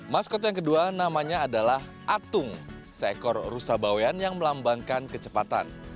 maskot yang kedua namanya adalah atung seekor rusa bawean yang melambangkan kecepatan